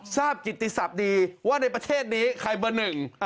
กิติศัพท์ดีว่าในประเทศนี้ใครเบอร์หนึ่ง